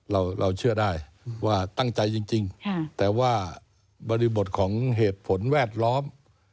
เราเชื่อได้ว่าตั้งใจจริงแต่ว่าบริบทของเหตุผลแวดล้อม